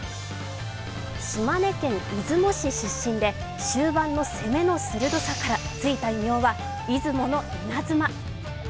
島根県出雲市出身で終盤の攻めの鋭さからついた異名は出雲のイナズマ。